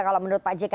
kalau menurut pak jk